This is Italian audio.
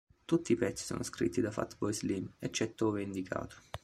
Tutti i pezzi sono scritti da Fatboy Slim eccetto ove indicato.